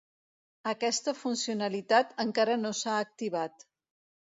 Aquesta funcionalitat encara no s’ha activat.